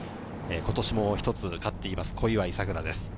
今年も一つ勝っています、小祝さくらです。